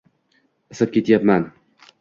Isib ketyapman